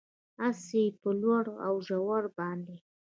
اس یې په لوړو اوژورو باندې،